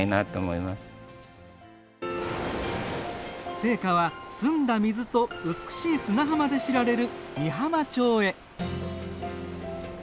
聖火は澄んだ水と美しい砂浜で知られる美浜町へ。